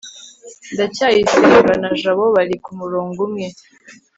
ndacyayisenga na jabo bari kumurongo umwe